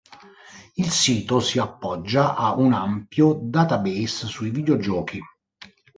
Il sito si appoggia a un ampio database sui videogiochi.